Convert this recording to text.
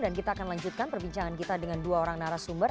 dan kita akan lanjutkan perbincangan kita dengan dua orang narasumber